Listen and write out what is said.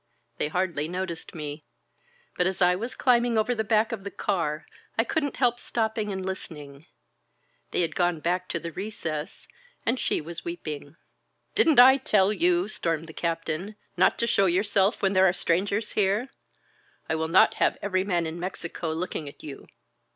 They hardly noticed me. But as I was climb ing over the back of the car I couldn't help stopping and listening. They had gone back to the recess, and she was weeping. Didn't I tell you," stormed the Captain, not to show yourself when there are strangers here? I will not have every man in Mexico looking at you.